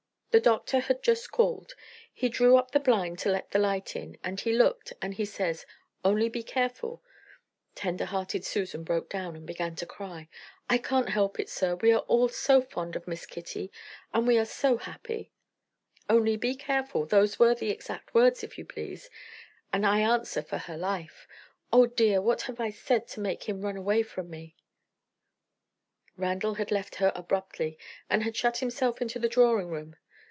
The doctor had just called. He drew up the blind to let the light in, and he looked, and he says: 'Only be careful' " Tender hearted Susan broke down, and began to cry. "I can't help it, sir; we are all so fond of Miss Kitty, and we are so happy. 'Only be careful' (those were the exact words, if you please), 'and I answer for her life.' Oh, dear! what have I said to make him run away from me?" Randal had left her abruptly, and had shut himself into the drawing room.